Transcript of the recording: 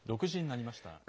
６時になりました。